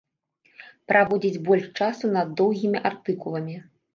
Праводзіць больш часу над доўгімі артыкуламі.